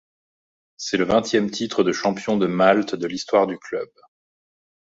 C'est le vingtième titre de champion de Malte de l'histoire du club.